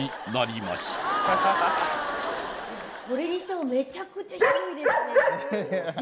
それにしてもめちゃくちゃ広いですね